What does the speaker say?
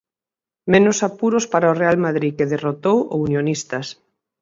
Menos apuros para o Real Madrid, que derrotou o Unionistas.